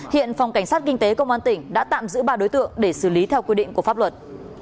hiện phòng cảnh sát kinh tế công an tỉnh đã tạm giữ ba đối tượng để xử lý theo quy định của pháp luật